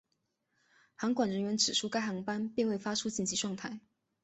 航管人员指出该航班并未发出紧急状态。